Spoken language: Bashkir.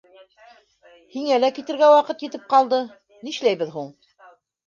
Һиңә лә китергә ваҡыт етеп ҡалды, нишләйбеҙ һуң?